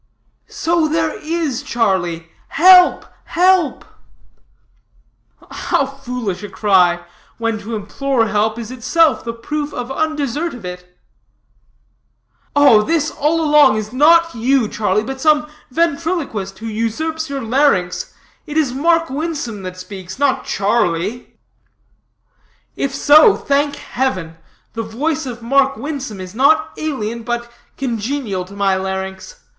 "So there is, Charlie. Help, Help!" "How foolish a cry, when to implore help, is itself the proof of undesert of it." "Oh, this, all along, is not you, Charlie, but some ventriloquist who usurps your larynx. It is Mark Winsome that speaks, not Charlie." "If so, thank heaven, the voice of Mark Winsome is not alien but congenial to my larynx.